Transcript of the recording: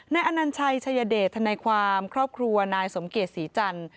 อนัญชัยชายเดชทนายความครอบครัวนายสมเกียจศรีจันทร์